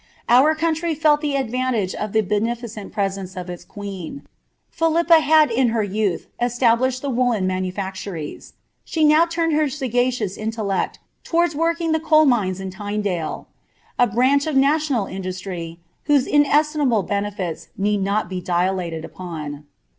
Our country felt the advantage of the beneficent presence queen. Philippa had in her youth established the woollen manu es : she now tiimed her sagacious intellect towards working the nines in Tynedale — a branch of national industry, whose inesti benefits need not be dilated upon.